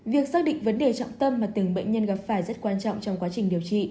việc xác định vấn đề trọng tâm mà từng bệnh nhân gặp phải rất quan trọng trong quá trình điều trị